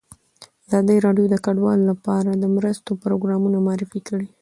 ازادي راډیو د کډوال لپاره د مرستو پروګرامونه معرفي کړي.